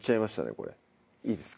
これいいですか？